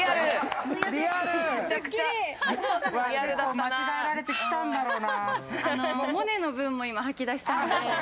間違えられてきたんだろうな。